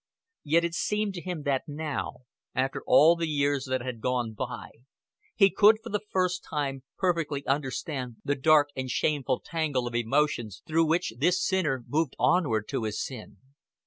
Yet it seemed to him that now, after all the years that had gone by, he could for the first time perfectly understand the dark and shameful tangle of emotions through which the sinner moved onward to his sin.